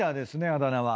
あだ名は。